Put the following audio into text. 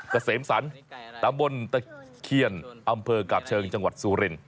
เกษมสรรตำบลตะเคียนอำเภอกาบเชิงจังหวัดสุริน